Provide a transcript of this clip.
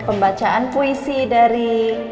pembacaan puisi dari